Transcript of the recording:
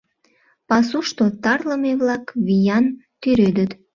Пасушто тарлыме-влак виян тӱредыт.